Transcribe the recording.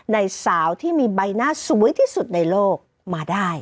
ในสาวที่มีใบหน้าสวยที่สุดในโลกมาได้